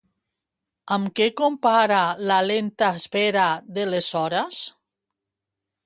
Amb què compara la lenta espera de les hores?